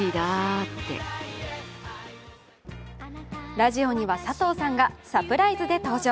ラジオには佐藤さんがサプライズで登場。